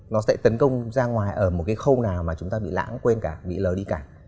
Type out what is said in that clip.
nó sẽ tấn công ra ngoài ở một cái khâu nào mà chúng ta bị lãng quên cả bị lờ đi cả